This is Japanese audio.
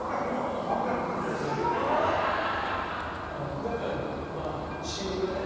今回のシングルはね